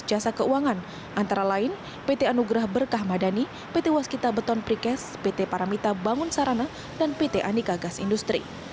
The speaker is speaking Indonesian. jasa keuangan antara lain pt anugrah berkah madani pt waskita beton prikes pt paramita bangun sarana dan pt anika gas industri